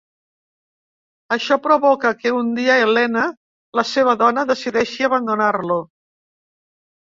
Això provoca que un dia Elena, la seva dona, decideixi abandonar-lo.